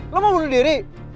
lo mau bunuh diri